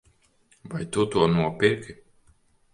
Vai tu to nopirki?